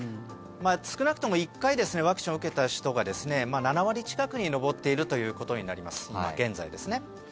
少なくとも１回ワクチンを受けた人が７割近くに上っているということになります、現在。